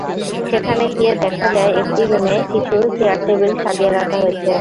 সেখানে গিয়ে দেখা যায়, একটি রুমে কিছু চেয়ার-টেবিল সাজিয়ে রাখা হয়েছে।